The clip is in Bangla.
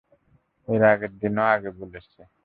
এর আগের দিনও আগে বলেছে!